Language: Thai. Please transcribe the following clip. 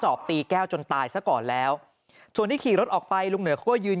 อบตีแก้วจนตายซะก่อนแล้วส่วนที่ขี่รถออกไปลุงเหนือเขาก็ยืน